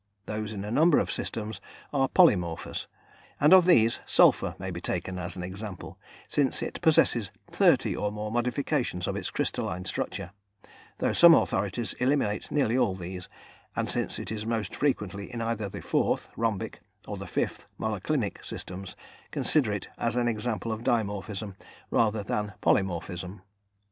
Those in a number of systems are polymorphous, and of these sulphur may be taken as an example, since it possesses thirty or more modifications of its crystalline structure, though some authorities eliminate nearly all these, and, since it is most frequently in either the 4th (rhombic) or the 5th (monoclinic) systems, consider it as an example of dimorphism, rather than polymorphism.